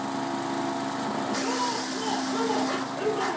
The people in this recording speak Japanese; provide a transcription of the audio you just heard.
オレはただはらがへってるだけ！